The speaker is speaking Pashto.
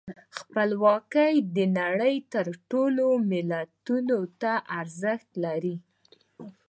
خپلواکي د نړۍ ټولو ملتونو ته ارزښت لري.